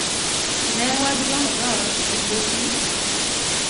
Ne waduong'o dhoot kendo chi